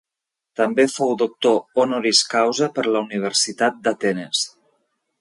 També fou doctor honoris causa per la Universitat d'Atenes.